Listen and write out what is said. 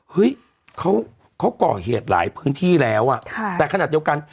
เฮ้ยเขาก่อเหตุหลายพื้นที่แล้วอ่ะค่ะแต่ขนาดเดียวกัน